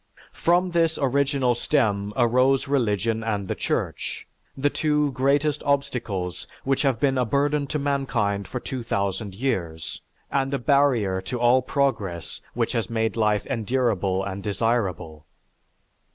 From this original stem arose religion and the Church, the two greatest obstacles which have been a burden to mankind for 2000 years and a barrier to all progress which has made life endurable and desirable.